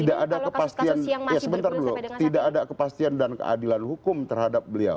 tidak ada kepastian ya sebentar dulu tidak ada kepastian dan keadilan hukum terhadap beliau